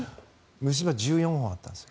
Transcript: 虫歯、１４本あったんです。